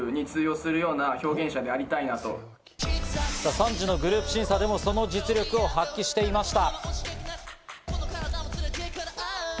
３次のグループ審査でも、その実力を発揮していました。